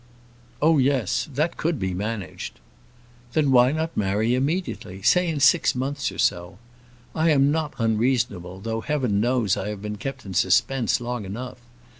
"Oh, yes; that could be managed." "Then why not marry immediately; say in six months or so? I am not unreasonable; though, Heaven knows, I have been kept in suspense long enough.